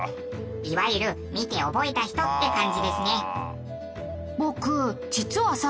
いわゆる見て覚えた人って感じですね。